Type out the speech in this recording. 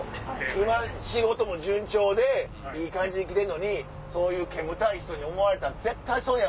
今仕事も順調でいい感じに来てんのにそういう煙たい人に思われたら絶対損や！